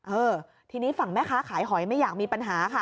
เออทีนี้ฝั่งแม่ค้าขายหอยไม่อยากมีปัญหาค่ะ